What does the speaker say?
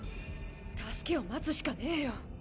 助けを待つしかねぇよ。